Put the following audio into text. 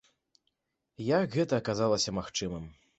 Як гэта аказалася магчымым?